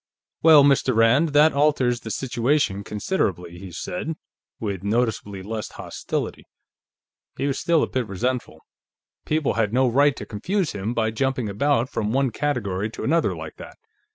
"Well, Mr. Rand, that alters the situation considerably," he said, with noticeably less hostility. He was still a bit resentful; people had no right to confuse him by jumping about from one category to another, like that.